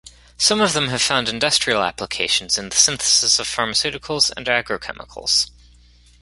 Some of them have found industrial applications in the synthesis of pharmaceuticals and agrochemicals.